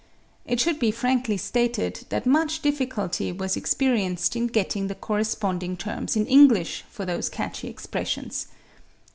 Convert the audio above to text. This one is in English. It should be frankly stated that much difficulty was experienced in getting the corresponding terms in English for those catchy expressions.